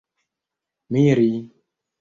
miri